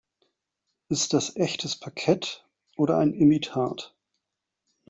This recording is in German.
Ist dies echtes Parkett oder ein Imitat?